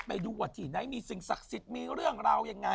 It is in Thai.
ตอนนี้คุณผู้จะเลยที่วัดดีดูว่ามีสิ่งศักดิ์สิทธิ์มีเรื่องราวอย่างไง